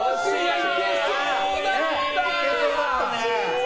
いけそうだった。